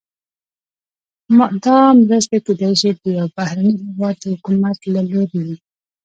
دا مرستې کیدای شي د یو بهرني هیواد د حکومت له لوري وي.